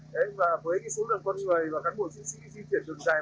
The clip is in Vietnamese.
đấy và với cái số lượng con người và các mùa xuân sĩ di chuyển đường dài